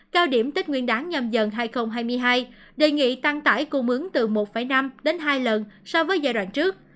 cao điểm tết nguyên đáng nhầm dần dần hai nghìn hai mươi hai đề nghị tăng tải cung ứng từ một năm đến hai lần so với giai đoạn trước